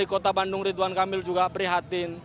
kota bandung ridwan kamil juga prihatin